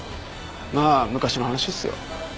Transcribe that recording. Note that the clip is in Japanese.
まあ昔の話っすよ。